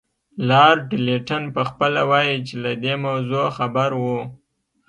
لارډ لیټن پخپله وایي چې له دې موضوع خبر وو.